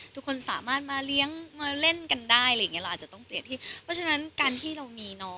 ทุกคนสามารถมาเลี้ยงมาเล่นกันได้